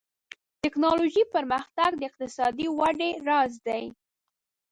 ټکنالوژي پرمختګ د اقتصادي ودې راز دی.